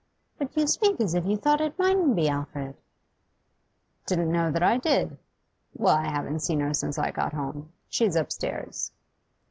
'But you speak as if you thought it mightn't be, Alfred?' 'Didn't know that I did. Well, I haven't seen her since I got home. She's upstairs.